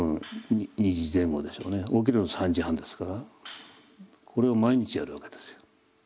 起きるの３時半ですからこれを毎日やるわけですよ。